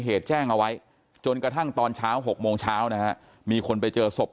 เหตุแจ้งเอาไว้จนกระทั่งตอนเช้า๖โมงเช้านะฮะมีคนไปเจอศพ